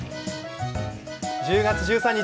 １０月１３日